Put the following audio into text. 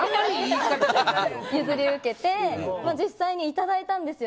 譲り受けて実際にいただいたんです。